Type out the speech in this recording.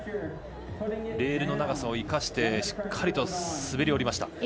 レールの長さを生かしてしっかりと滑り降りました。